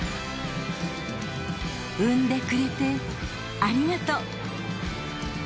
産んでくれてありがとう。